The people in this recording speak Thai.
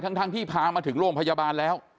ทั้งที่พามาถึงโรงพยาบาลแล้ว